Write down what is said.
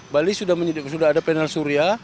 bali sudah ada panel surya